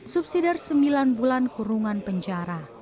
subsidi sembilan bulan kurungan penjara